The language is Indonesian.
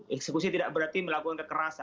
eksekusi tidak berarti melakukan kekerasan